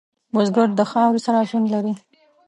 بزګر د خاورې سره ژوند لري